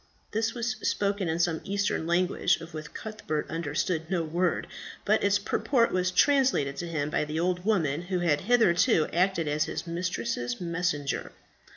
This was spoken in some Eastern language of which Cuthbert understood no word, but its purport was translated to him by the old woman who had hitherto acted as his mistress's messenger.